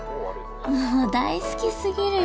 もう大好きすぎるよ